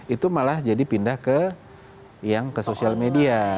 itu malah jadi pindah ke yang ke sosial media